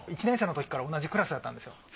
１年生のときから同じクラスだったんですよ。